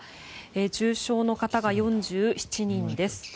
重症の方が４７人です。